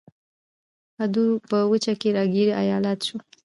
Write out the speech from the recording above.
اَوَد په وچه کې را ګیر ایالت شو.